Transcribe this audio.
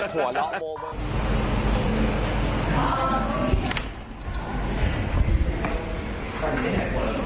หัวเหล้าโมเบอร์